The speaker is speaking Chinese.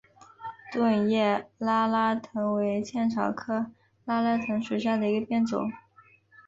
钝叶拉拉藤为茜草科拉拉藤属下的一个变种。